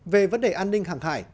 về vấn đề an ninh hàng hải